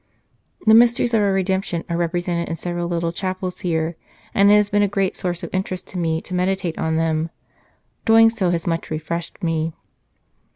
" The mysteries of our redemption are repre sented in several little chapels here, and it has been a great source of interest to me to meditate on them ; doing so has much refreshed me."